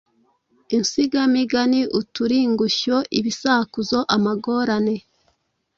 insigamigani, uturingushyo, ibisakuzo, amagorane,